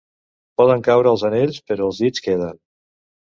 Poden caure els anells, però els dits queden.